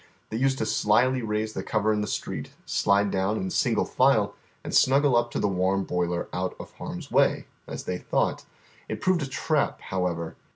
They used to slyly raise the cover in the street, slide down in single file, and snuggle up to the warm boiler ont of harm's way, as they thought. It proved a trap, however.